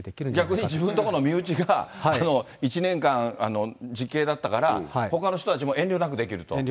逆に自分のとこの身内が１年間実刑だったから、ほかの人たち遠慮なくできると。